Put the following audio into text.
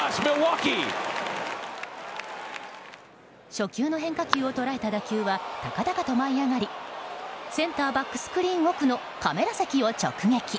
初球の変化球を捉えた打球は高々と舞い上がりセンターバックスクリーン奥のカメラ席を直撃。